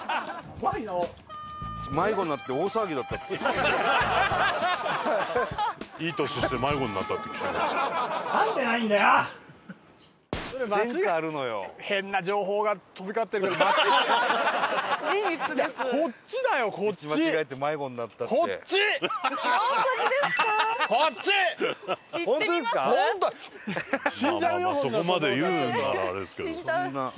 まあまあまあそこまで言うならあれですけど。